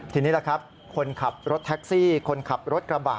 ทีนี้ล่ะครับคนขับรถแท็กซี่คนขับรถกระบะ